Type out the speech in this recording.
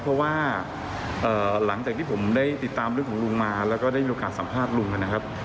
เพราะว่าหลังจากที่ผมได้ติดตามเรื่องของลุงมาแล้วก็ได้มีโอกาสสัมภาษณ์ลุงนะครับ